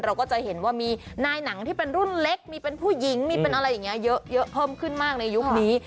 เราก็จะเห็นว่ามีนายหนังที่เป็นรุ่นเล็กมีเป็นผู้หญิงเยอะเพิ่มขึ้นมากในยุคนี้